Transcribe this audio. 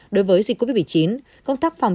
đối với dịch covid một mươi chín công tác phòng